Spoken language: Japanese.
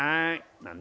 何だ？